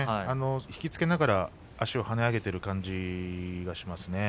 引き付けながら足を跳ね上げている感じがします。